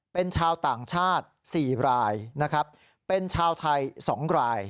เป็นชาวต่างชาติ๔รายนะครับเป็นชาวไทย๒ราย